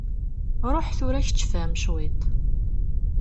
Ruḥ tura kečč fhem cwiṭ…